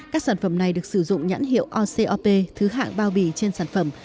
các sản phẩm này được sử dụng nhãn hiệu ocop thứ hạng bao bì trên sản phẩm